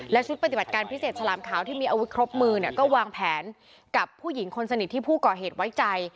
และชุดปฏิบัติการพิเศษฉลามขาวที่มีอาวุธครบมือเนี่ยก็วางแผนกับผู้หญิงคนสนิทที่ผู้ก่อเหตุไว้ใจ